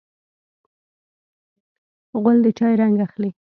غول د چای رنګ اخلي.